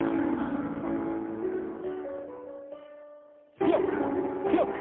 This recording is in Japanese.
強く強く。